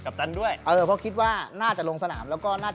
เพราะคิดว่าน่าจะลงสนาม